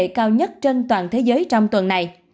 tỉ lệ cao nhất trên toàn thế giới trong tuần này